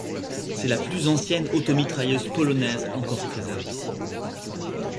C'est la plus ancienne automitrailleuse polonaise encore préservée.